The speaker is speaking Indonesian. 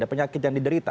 ada penyakit yang diderita